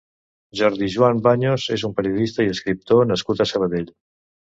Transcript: Jordi Joan Baños és un periodista i escriptor nascut a Sabadell.